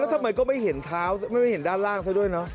และทำไมก็ไม่เห็นด้านล่างเท่าให้ด้วยเนอะ